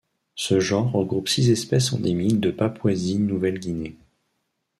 Ce genre regroupe six espèces endémiques de Papouasie-Nouvelle-Guinée.